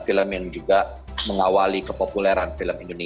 film yang juga mengawali kepopuleran film indonesia